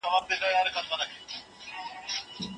دولتي اړیکې قاچاق اسانه کوي.